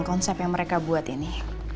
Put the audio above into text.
konsep yang mereka buat ini